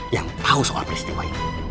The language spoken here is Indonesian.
yang tahu soal peristiwa itu